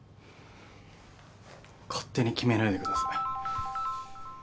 勝手に決めないでください。